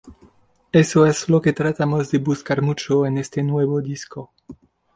Eso es lo que tratamos de buscar mucho en este nuevo disco.